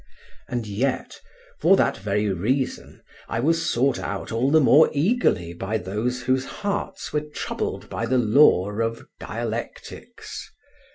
And yet, for that very reason, I was sought out all the more eagerly by those whose hearts were troubled by the lore of dialectics.